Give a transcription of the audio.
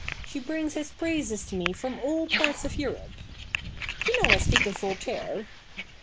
She brings his praises to me from all parts of Europe. You know I speak of Voltaire.